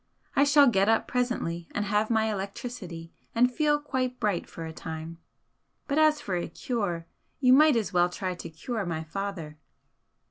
I shall get up presently and have my electricity and feel quite bright for a time. But as for a cure, you might as well try to cure my father."